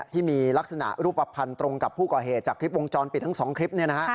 ที่มีลักษณะรูปภัณฑ์ตรงกับผู้ก่อเหตุจากคลิปวงจรปิดทั้ง๒คลิป